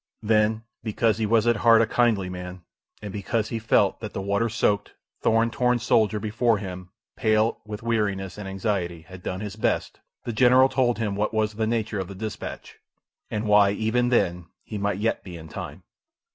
Then, because he was at heart a kindly man, and because he felt that the water soaked, thorn torn soldier before him, pale with weariness and anxiety, had done his best, the general told him what was the nature of the dispatch, and why, even then, he might yet be in time.